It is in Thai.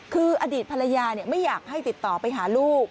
คืออดีตภรรยาไม่อยากให้ติดต่อไปหาลูก